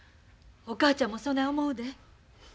お母ちゃんもそない思うで。